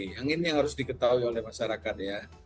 yang ini yang harus diketahui oleh masyarakat ya